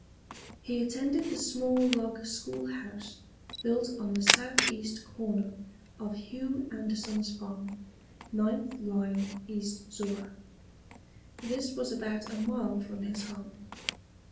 He attended the small log school house built on the south east corner of Hugh Anderson's farm, 9th line East Zorra. This was about a mile from his home.